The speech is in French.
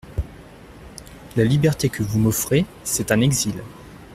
La liberté que vous m'offrez, c'est un exil.